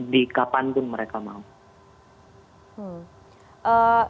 di kapan pun mereka mau